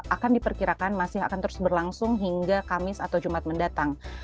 akan diperkirakan masih akan terus berlangsung hingga kamis atau jumat mendatang